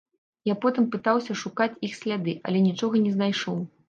Я потым пытаўся шукаць іх сляды, але нічога не знайшоў.